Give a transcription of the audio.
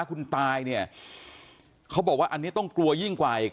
คุณตายเนี่ยเขาบอกว่าอันนี้ต้องกลัวยิ่งกว่าอีก